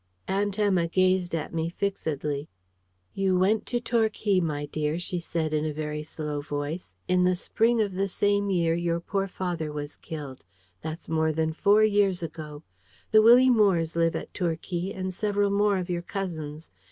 Aunt Emma gazed at me fixedly. "You went to Torquay, dear," she said in a very slow voice, "in the spring of the same year your poor father was killed: that's more than four years ago. The Willie Moores live at Torquay, and several more of your cousins.